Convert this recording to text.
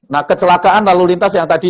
nah kecelakaan lalu lintas yang tadi